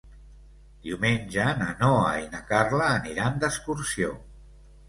Diumenge na Noa i na Carla aniran d'excursió.